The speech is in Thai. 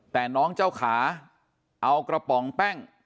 แต่น้องเจ้าขาเอากระป๋องแป้ง